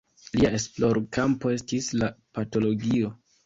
Lia esplorkampo estis la patologio.